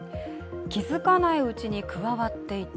気づかないうちに加わっていた。